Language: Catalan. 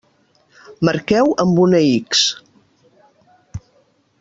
Marqueu amb una X.